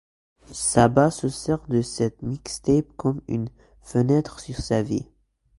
Saba se sert de cette mixtape comme une fenêtre sur sa vie.